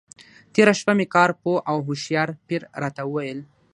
تېره شپه مې کار پوه او هوښیار پیر راته وویل.